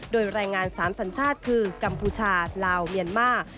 โดยแรงงาน๓สัญชาติคือกัมพูชาลาวเมียนมาร์